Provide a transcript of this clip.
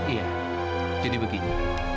iya jadi begini